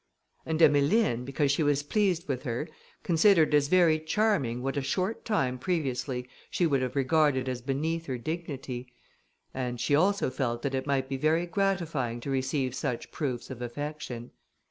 And Emmeline, because she was pleased with her, considered as very charming what a short time previously she would have regarded as beneath her dignity; and she also felt that it might be very gratifying to receive such proofs of affection.